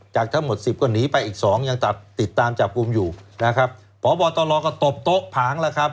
จากทั้งหมด๑๐ก็หนีไปอีก๒ยังติดตามจับกลุ่มอยู่นะครับ